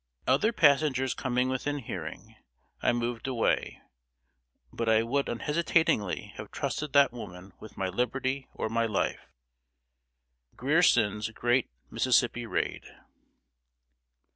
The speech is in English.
Other passengers coming within hearing, I moved away, but I would unhesitatingly have trusted that woman with my liberty or my life. [Sidenote: GRIERSON'S GREAT MISSISSIPPI RAID.